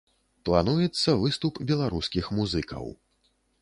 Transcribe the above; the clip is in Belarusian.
Плануецца выступ беларускіх музыкаў.